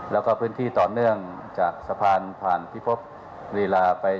แล้วก็พื้นที่ต่อเนื่องจากสะพานผ่านพิภพลีลาไป